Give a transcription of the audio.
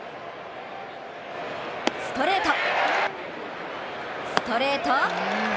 ストレート、ストレート。